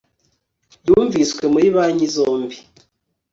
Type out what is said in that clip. Yumviswe muri banki zombi